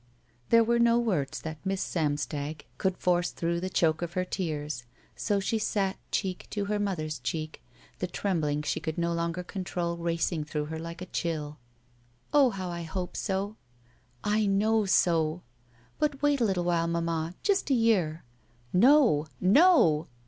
There were no words that Miss Samstag could 29 SHE WALKS IN BEAUTY force through the choke of her tears, so she sat cheek to her mother's cheek, the trembling she could no longer control racing through her like a chill. "Oh— how— I hope so!'* •'I know so/' "But wait a little while, mamma — ^just a year." "No! No!"